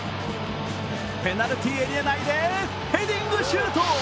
ペナルティーエリア内でヘディングシュート。